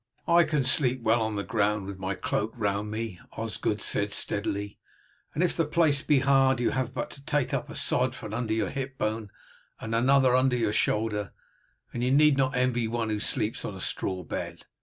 "I can sleep well on the ground with my cloak round me," Osgod said steadily, "and if the place be hard you have but to take up a sod under your hip bone and another under your shoulder, and you need not envy one who sleeps on a straw bed.